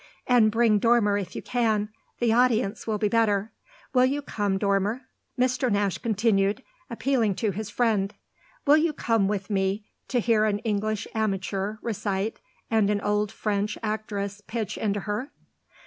"And bring Dormer if you can: the audience will be better. Will you come, Dormer?" Mr. Nash continued, appealing to his friend "will you come with me to hear an English amateur recite and an old French actress pitch into her?"